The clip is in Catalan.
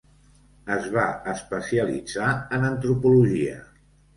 Es va especialitzar en antropologia.